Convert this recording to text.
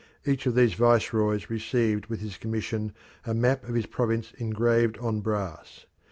Each of these viceroys received with his commission a map of his province engraved on brass.